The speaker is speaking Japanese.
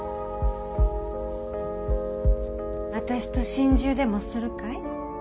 私と心中でもするかい？